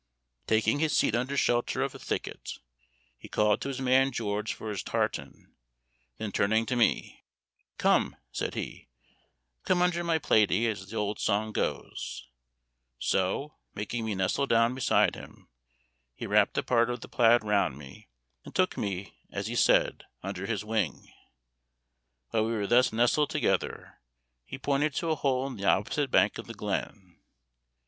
Taking his seat under shelter of a thicket, he called to his man George for his tartan, then turning to me, "Come," said he, "come under my plaidy, as the old song goes;" so, making me nestle down beside him, he wrapped a part of the plaid round me, and took me, as he said, under his wing. While we were thus nestled together, he pointed to a hole in the opposite bank of the glen.